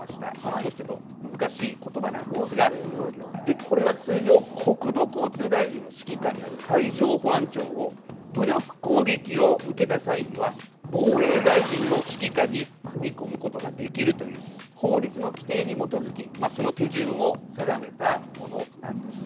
少し、ちょっと難しいことばなんですがこれは通常、国土交通大臣の指揮下にある海上保安庁を武力攻撃を受けた際には防衛大臣の指揮下に組み込むことができるという法律の規定に基づきその手順を定めたものなんです。